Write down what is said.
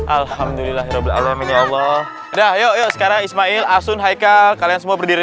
alhamdulillah allah dah yuk sekarang ismail asun haikal kalian semua berdiri